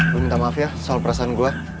gue minta maaf ya soal perasaan gue